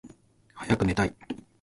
はやくねたい